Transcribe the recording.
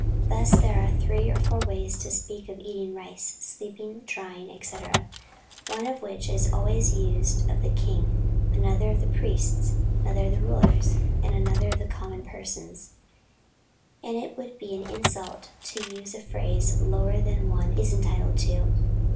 Thus there are three or four ways to speak of eating rice, sleeping, dying, &c. one of which is always used of the king, another of priests, another of rulers, and another of common persons, and it would be an insult to use a phrase lower than one is entitled to.